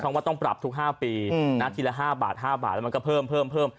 ต้องว่าต้องปรับทุก๕ปีนาทีละ๕บาท๕บาทแล้วมันก็เพิ่มเพิ่มเพิ่ม